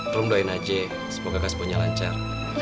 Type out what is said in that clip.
rum doain aja semoga kasbonya lancar